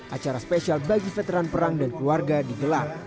acara spesial bagi veteran perang dan keluarga digelar